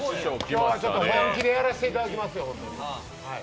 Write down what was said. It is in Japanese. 今日は本気でやらせていただきますよ。